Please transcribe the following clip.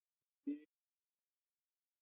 嘉永是日本的年号之一。